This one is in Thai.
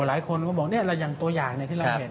หลายคนก็บอกอย่างตัวอย่างที่เราเห็น